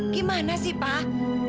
gimana sih pak